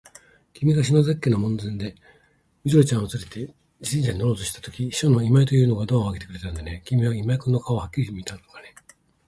きみが篠崎家の門前で、緑ちゃんをつれて自動車に乗ろうとしたとき、秘書の今井というのがドアをあけてくれたんだね。きみは今井君の顔をはっきり見たのかね。